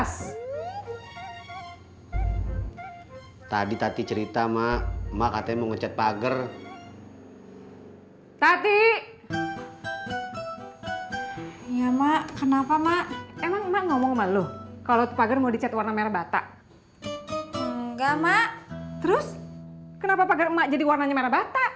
sampai jumpa di video selanjutnya